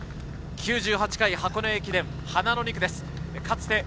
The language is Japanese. ９８回箱根駅伝、花の２区です。